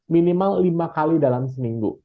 minimal lima kali dalam seminggu